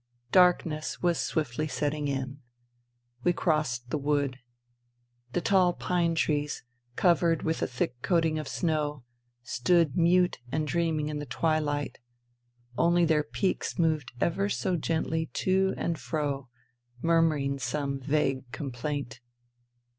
... Darkness was swiftly setting in. We crossed the wood. The tall pine trees, covered with a thick coating of snow, stood mut and dreaming in the twilight ; only their peaks moved ever so gently to and fro, murmuring some vague complaint.